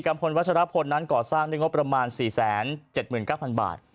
กำผลวัชรพลนั้นก่อสร้างด้วยงบประมาณสี่แสนเจ็ดหมื่นเก้าพันบาท